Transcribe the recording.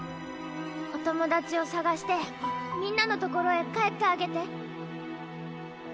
お友達を捜してみんなのところへ帰ってあげて。